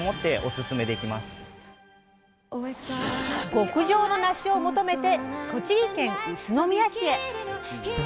極上のなしを求めて栃木県宇都宮市へ！